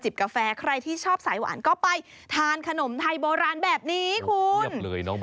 ให้เรียบเลยน้องบัยตอบ